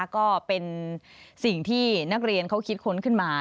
ก็เป็นสิ่งที่นักเรียนเขาคิดค้นขึ้นมา